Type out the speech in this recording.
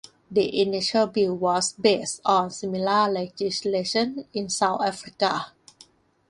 The initial bill was based on similar legislation in South Africa.